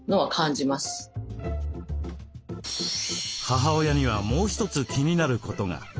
母親にはもう一つ気になることが。